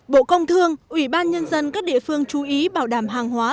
bộ công thương ủy ban nhân dân các địa phương chú ý bảo đảm hàng hóa